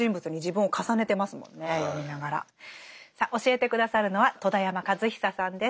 さあ教えて下さるのは戸田山和久さんです。